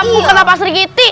jangan ngeramu kata pak sri kiti